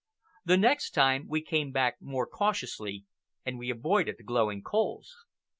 The next time we came back more cautiously, and we avoided the glowing coals.